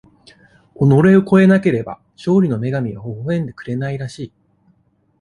己を超えなければ、勝利の女神はほほえんでくれないらしい。